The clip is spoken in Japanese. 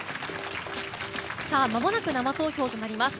まもなく生投票となります。